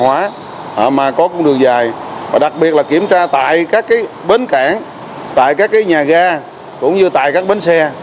hóa mà có đường dài và đặc biệt là kiểm tra tại các bến cảng tại các nhà ga cũng như tại các bến xe